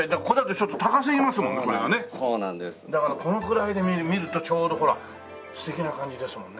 だからこのくらいで見るとちょうどほら素敵な感じですもんね。